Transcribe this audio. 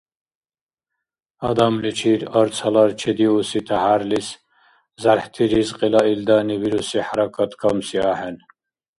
Адамличир арц гьалар чедиуси тяхӀярлис зярхӀти ризкьила илдани бируси хӀяракат камси ахӀен.